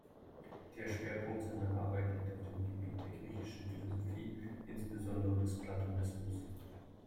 Der Schwerpunkt seiner Arbeit liegt auf dem Gebiet der griechischen Philosophie, insbesondere des Platonismus.